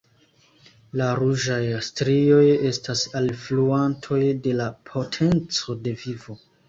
La ruĝaj strioj estas alfluantoj de la potenco de vivo.